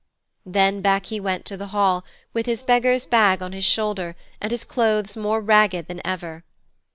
Then back he went to the hall, with his beggar's bag on his shoulder and his clothes more ragged than ever.